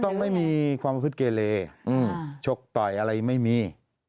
ต้องไม่มีความประพฤติเกเลชกต่อยอะไรไม่มี